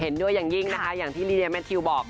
ด้วยอย่างยิ่งนะคะอย่างที่ลีเดียแมททิวบอก